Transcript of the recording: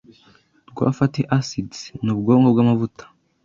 rwa fatty acids ni ubwoko bw’amavuta